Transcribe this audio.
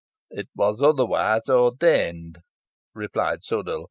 "It was otherwise ordained," replied Sudall.